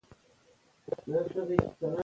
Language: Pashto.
زده کړې نجونې د ګډو کارونو بريا زياتوي.